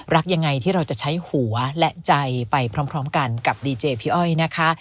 รักยังไงที่เราจะใช้หัวและใจไปพร้อมกันกับดีเจพี่อ้อยนะคะ